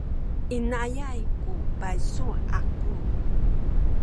inayay ku paysu aku.